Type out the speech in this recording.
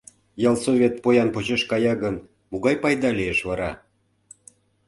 Ялсовет поян почеш кая гын, могай пайда лиеш вара?